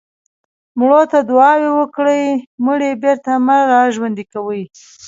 مړو ته دعا وکړئ مړي بېرته مه راژوندي کوئ.